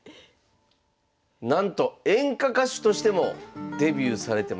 なんと演歌歌手としてもデビューされてました。